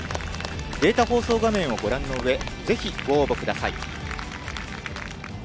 データ放送画面をご覧のうえ、ぜひご応募ください。